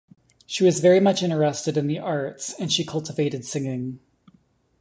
She was very much interested in the arts and she cultivated singing.